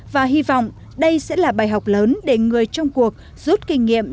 và hy vọng đây sẽ là bài học lớn để người trong cuộc rút kinh nghiệm